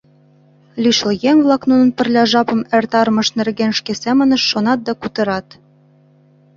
Лишыл еҥ-влак нунын пырля жапым эртарымышт нерген шке семынышт шонат да кутырат.